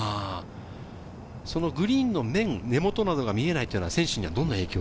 そのグリーンの面、根元などが見えないのは選手にはどんな影響が？